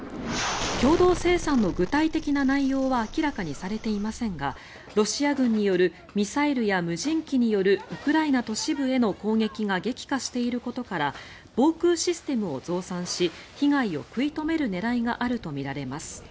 共同生産の具体的な内容は明らかにされていませんがロシア軍によるミサイルや無人機によるウクライナ都市部への攻撃が激化していることから防空システムを増産し被害を食い止める狙いがあるとみられます。